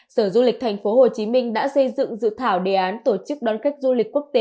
sở du lịch thành phố hồ chí minh đã xây dựng dự thảo đề án tổ chức đón khách du lịch quốc tế